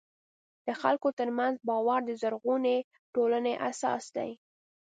د خلکو ترمنځ باور د زرغونې ټولنې اساس دی.